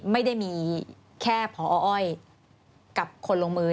ไม่ได้มีแค่พออ้อยกับคนลงมือ